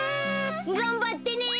がんばってね！